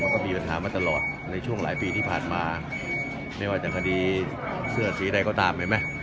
ก็มีปัญหามาตลอดในช่วงหลายปีที่ผ่านมาไม่ว่าจะคดีเสื้อสีใดก็ตามเห็นไหม